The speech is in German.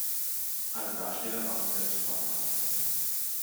Alle Darsteller waren selbst Wanderarbeiter.